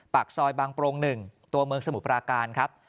ปากซอยบางโปรง๑ตัวเมืองสมุทรปราการครับ